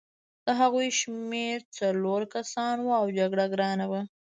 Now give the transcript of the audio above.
د هغوی شمېر څلور کسان وو او جګړه ګرانه وه